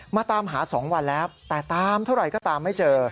มาตามหา๒วันแล้วแต่ตามเท่าไหร่ก็ตามไม่เจอ